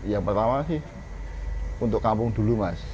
yang pertama sih untuk kampung dulu mas